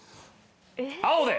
青で！